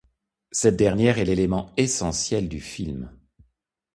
Cette dernière est l'élément essentiel du film.